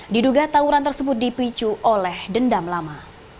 diduga tawuran tersebut dipicu oleh dendam lama